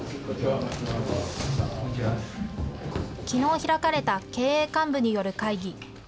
きのう開かれた経営幹部による会議。